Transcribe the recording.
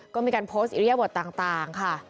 ก็มีการโพสต์อีลียาบอสต่างค่ะ